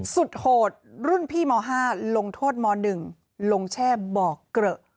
โหดรุ่นพี่ม๕ลงโทษม๑ลงแช่บอกเกลอะ